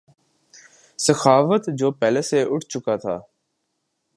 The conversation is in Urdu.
سخاوت جو پہلے سے اٹھ چکا تھا